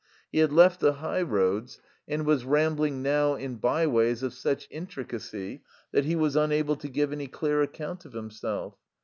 He had left the high roads and was rambling now in bye ways of such intricacy that he was unable to give any clear account of himself.